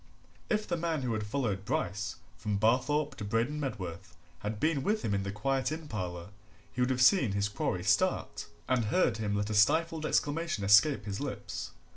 If the man who had followed Bryce from Barthorpe to Braden Medworth had been with him in the quiet inn parlour he would have seen his quarry start, and heard him let a stifled exclamation escape his lips.